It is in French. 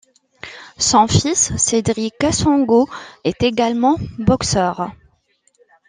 Son fils, Cédric Kassongo, est également boxeur.